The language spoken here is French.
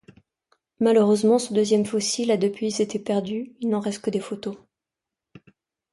Malheureusement, ce deuxième fossile a depuis été perdu, il n'en reste que des photos.